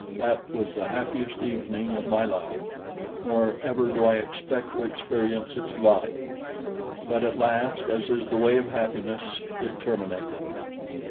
That was the happiest evening of my life; nor ever do I expect to experience its like; but at last, as is the way of happiness, it terminated.